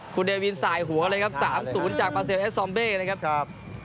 คุณเดวินสายหัวเลยครับสามศูนย์จากปาเซลเอสซอมเบ้เลยครับ